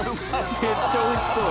めっちゃおいしそう。